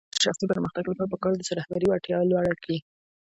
د ځوانانو د شخصي پرمختګ لپاره پکار ده چې رهبري وړتیا لوړه کړي.